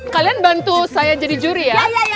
kalian bantu saya jadi juri ya